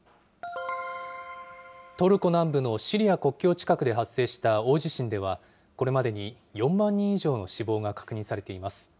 トルコ南部のシリア国境近くで発生した大地震では、これまでに４万人以上の死亡が確認されています。